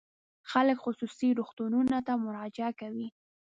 خلک خصوصي روغتونونو ته مراجعه کوي.